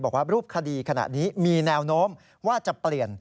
บอกว่ารูปคดีขณะนี้มีแนวโน้มว่าจะเปลี่ยน